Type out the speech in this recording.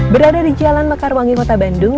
berada di jalan mekarwangi kota bandung